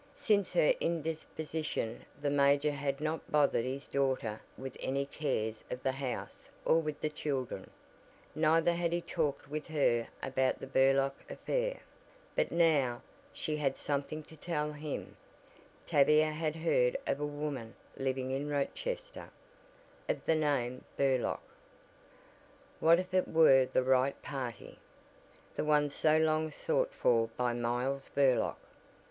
Since her indisposition the major had not bothered his daughter with any cares of the house or with the children, neither had he talked with her about the Burlock affair; but now, she had something to tell him Tavia had heard of a woman living in Rochester, of that name Burlock. What if it were the right party? The one so long sought for by Miles Burlock!